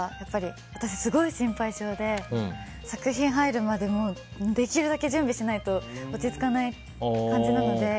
私すごい心配性で作品に入るまでできるだけ準備しないと落ち着かない感じなので。